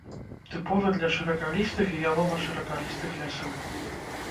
Тыповы для шыракалістых і ялова-шыракалістых лясоў.